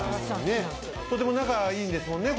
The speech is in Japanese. とても仲いいんですもんね